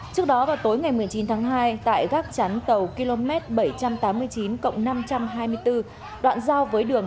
trước đó vào tối ngày một mươi chín tháng hai tại gác chắn tàu km bảy trăm tám mươi chín năm trăm hai mươi bốn đoạn giao với đường